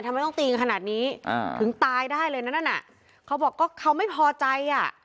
ทำไมต้องตีกันขนาดนี้อ่าถึงตายได้เลยนะนั่นอ่ะเขาบอกก็เขาไม่พอใจอ่ะ